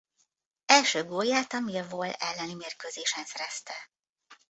Első gólját egy Millwall elleni mérkőzésen szerezte.